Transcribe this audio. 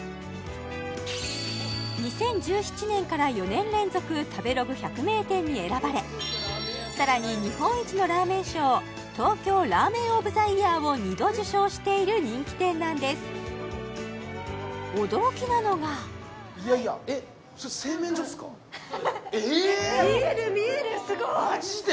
２０１７年から４年連続食べログ百名店に選ばれさらに日本一のラーメン賞東京ラーメン・オブ・ザ・イヤーを２度受賞している人気店なんです驚きなのがそうですえっ見える見えるすごいマジで？